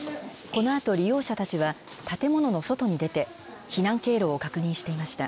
このあと利用者たちは、建物の外に出て、避難経路を確認していました。